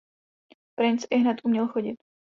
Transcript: Princ ihned uměl chodit.